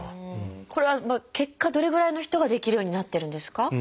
これは結果どれぐらいの人ができるようになってるんですか？